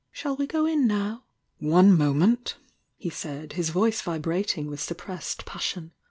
"Shall we go in now?" "One moment I" he said, his voice vibrating with juppressed passion.